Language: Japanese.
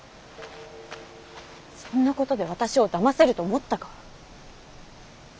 そんなことで私をだませると思ったか。